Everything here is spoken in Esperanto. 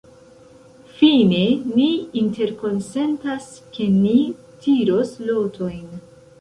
Fine ni interkonsentas, ke ni tiros lotojn.